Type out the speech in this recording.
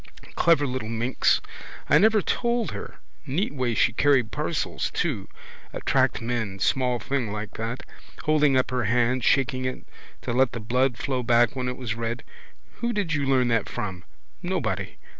Clever little minx. I never told her. Neat way she carries parcels too. Attract men, small thing like that. Holding up her hand, shaking it, to let the blood flow back when it was red. Who did you learn that from? Nobody.